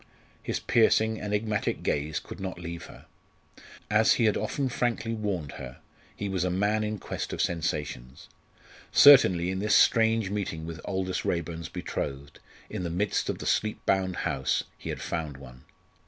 His piercing enigmatic gaze could not leave her. As he had often frankly warned her, he was a man in quest of sensations. Certainly, in this strange meeting with Aldous Raeburn's betrothed, in the midst of the sleep bound house, he had found one.